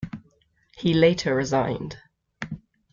He later resigned.